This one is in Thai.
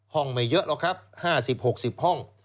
ไม่เยอะหรอกครับ๕๐๖๐ห้อง